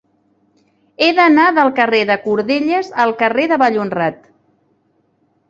He d'anar del carrer de Cordelles al carrer de Vallhonrat.